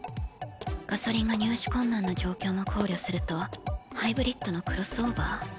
ガソリンが入手困難な状況も考慮するとハイブリッドのクロスオーバー？